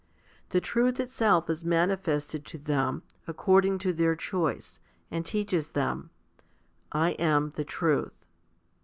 The truth itself is mani fested to them, according to their choice, and teaches them, / am the truth.